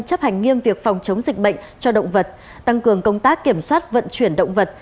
chấp hành nghiêm việc phòng chống dịch bệnh cho động vật tăng cường công tác kiểm soát vận chuyển động vật